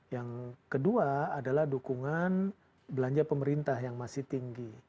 yang kedua adalah dukungan belanja pemerintah yang masih tinggi